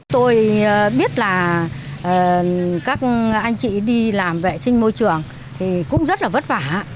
tôi biết là các anh chị đi làm vệ sinh môi trường thì cũng rất là vất vả